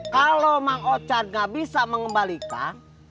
kalau mang ochard nggak bisa mengembalikan